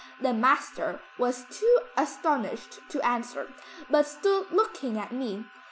The master was too astonished to answer, but stood looking at me.